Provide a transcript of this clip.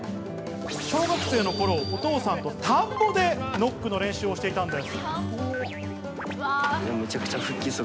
小学生のころ、お父さんと田んぼでノックの練習をしていたんです。